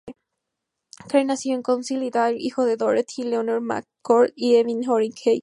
Craig nació en Council, Idaho, hijo de Dorothy Lenore McCord y Elvin Oren Craig.